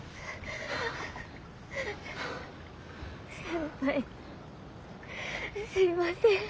先輩すいません。